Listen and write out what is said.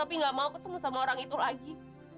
tapi gak mau ketemu sama orang itu lagi